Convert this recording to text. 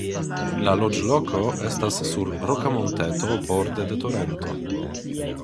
La loĝloko estas sur roka monteto borde de torento.